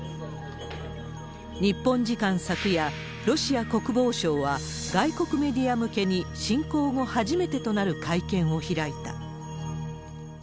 日本時間昨夜、ロシア国防省は、外国メディア向けに侵攻後初めてとなる会見を開いた。